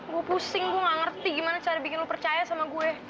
gua pusing gua nggak ngerti gimana cara bikin lu percaya sama gue